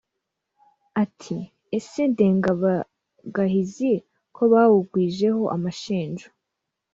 Ati: Ese Ndengabagahizi ko bawugwijeho amashinjo,